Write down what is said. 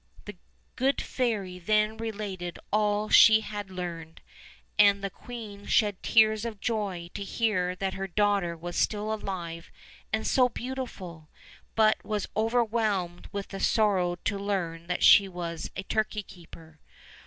The good fairy then related all she had learned, and the queen shed tears of joy to hear that her daughter was still alive and so beautiful, but was overwhelmed with sorrow to learn that she was a turkey keeper.